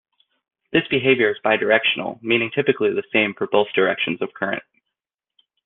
This behavior is bidirectional, meaning typically the same for both directions of current.